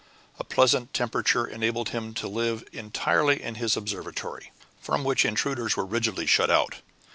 A pleasant temperature enabled him to live entirely in his observatory, from which intruders were rigidly shut out.